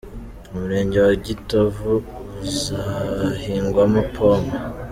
Umurenge wa Gitovu uzahingwamo Pome